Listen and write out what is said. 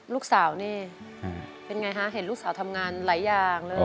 ลูกสาวนี่เป็นไงคะเห็นลูกสาวทำงานหลายอย่างเลย